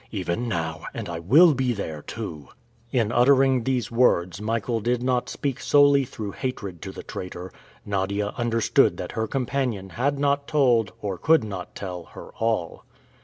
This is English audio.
"Even now, and I will be there, too!" In uttering these words, Michael did not speak solely through hatred to the traitor. Nadia understood that her companion had not told, or could not tell, her all.